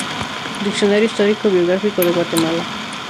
Diccionario Histórico Biográfico de Guatemala.